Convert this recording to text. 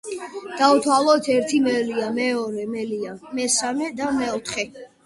დავთვალოთ: ერთი მელია, მეორე მელია, მესამე და მეოთხე.